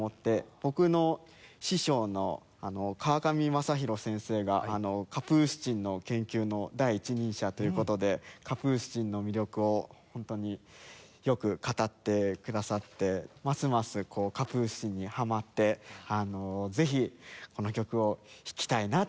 僕の師匠の川上昌裕先生がカプースチンの研究の第一人者という事でカプースチンの魅力を本当によく語ってくださってますますカプースチンにハマってぜひこの曲を弾きたいなと思って。